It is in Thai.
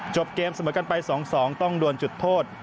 เกมเสมอกันไป๒๒ต้องดวนจุดโทษ